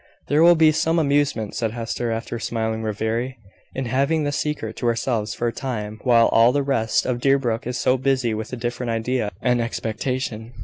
"There will be some amusement," said Hester, after a smiling reverie, "in having this secret to ourselves for a time, while all the rest of Deerbrook is so busy with a different idea and expectation.